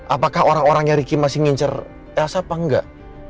apakah orang orangnya ricky masih ngincer elsa apa enggak